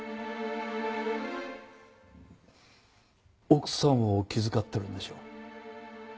奥さんを気遣ってるんでしょう？